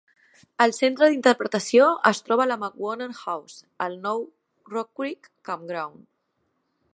El centre d'interpretació es troba a la McGowan House, al nou Rock Creek Campground.